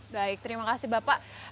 baik terima kasih bapak